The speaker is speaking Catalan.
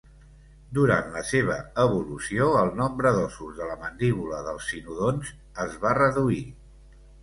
Durant la seva evolució, el nombre d'ossos de la mandíbula dels cinodonts es va reduir.